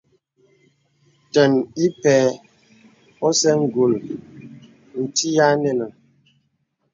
Tɛn ìpēy osə̀ ngùl nti yə̀ à anɛ̄nàŋ.